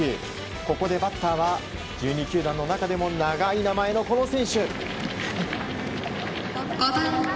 ここでバッターは１２球団の中でも長い名前のこの選手。